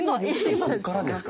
ここからですか？